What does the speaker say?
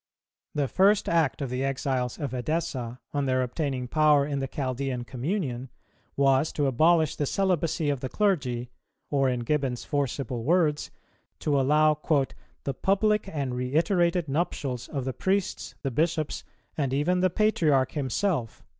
The first act of the exiles of Edessa, on their obtaining power in the Chaldean communion, was to abolish the celibacy of the clergy, or, in Gibbon's forcible words, to allow "the public and reiterated nuptials of the priests, the bishops, and even the patriarch himself."